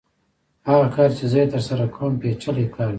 هغه کار چې زه یې ترسره کوم پېچلی کار دی